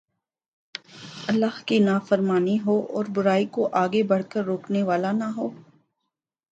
اللہ کی نافرمانی ہو اور برائی کوآگے بڑھ کر روکنے والا نہ ہو